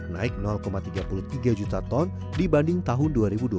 naik tiga puluh tiga juta ton dibanding tahun dua ribu dua puluh